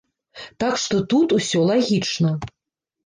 Так што тут усё лагічна.